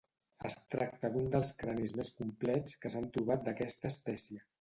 Es tracta d'un dels cranis més complets que s'han trobat d'aquesta espècie.